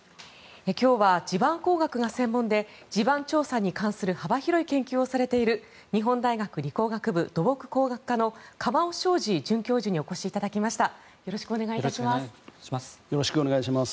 今日は地盤工学が専門で地盤調査に関する幅広い研究をされている日本大学理工学部土木工学科の鎌尾彰司准教授にお越しいただきました。